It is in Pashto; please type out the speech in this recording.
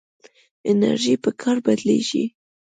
انرژي په کار بدلېږي.